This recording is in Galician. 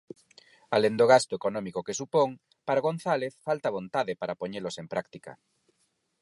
Alén do gasto económico que supón, para González falta vontade para poñelos en práctica.